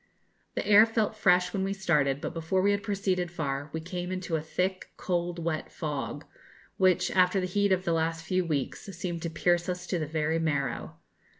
The air felt fresh when we started, but before we had proceeded far we came into a thick, cold, wet fog, which, after the heat of the last few weeks, seemed to pierce us to the very marrow.